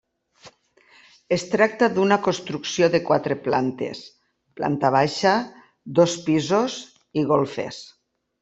Es tracta d'una construcció de quatre plantes, planta baixa, dos pisos i golfes.